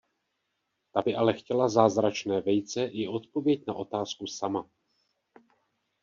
Ta by ale chtěla zázračné vejce i odpověď na otázku sama.